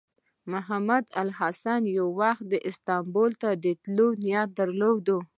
محمود الحسن یو وخت استانبول ته د تللو نیت درلود.